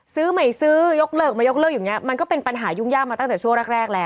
ไม่ซื้อยกเลิกมายกเลิกอย่างนี้มันก็เป็นปัญหายุ่งยากมาตั้งแต่ช่วงแรกแล้ว